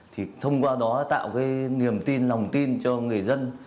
thì thông qua đó tạo cái niềm tin lòng tin cho người dân